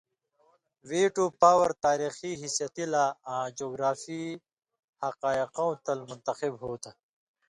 ویٹو پاور تاریخی حیثیتی لا آں جیوگرافی حقائقوں تل منتخب ہوتھہ